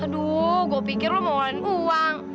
aduuh gue pikir lu mau kain uang